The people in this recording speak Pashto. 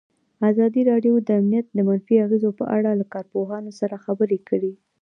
ازادي راډیو د امنیت د منفي اغېزو په اړه له کارپوهانو سره خبرې کړي.